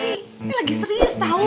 ini lagi serius tau